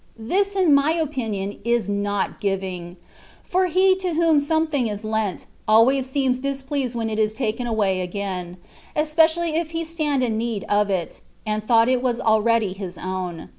This, in my opinion, is not giving ; for he to whom something is lent, always seems displeased when it is taken away again, especially if he stand in need of it, and thought it was already his own.